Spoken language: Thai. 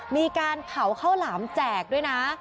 มีการเผาข้าวหลามแจกด้วยนะ